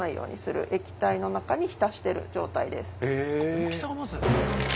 大きさがまず。